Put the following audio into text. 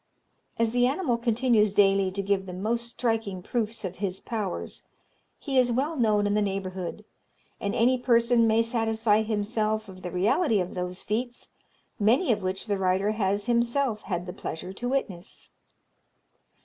As the animal continues daily to give the most striking proofs of his powers, he is well known in the neighbourhood, and any person may satisfy himself of the reality of those feats, many of which the writer has himself had the pleasure to witness.